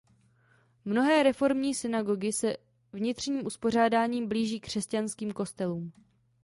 Mnohé reformní synagogy se vnitřním uspořádáním blíží křesťanským kostelům.